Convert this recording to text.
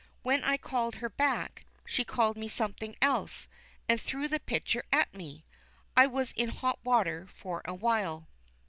When I called her back, she called me something else, and threw the pitcher at me. I was in hot water for a while.